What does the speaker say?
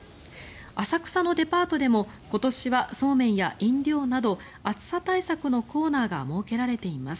浅草のデパートでも今年はそうめんや飲料など暑さ対策のコーナーが設けられています。